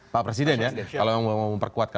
pak presiden ya kalau mau memperkuatkan